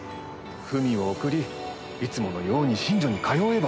文を送りいつものように寝所に通えば。